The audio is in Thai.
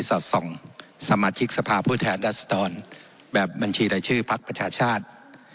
น้ำส่องสมาชิกทรภาผู้แทนราชดรแบบบัญชีถ้าชื่อพลักษณะชาติ